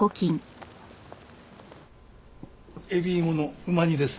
海老芋のうま煮です。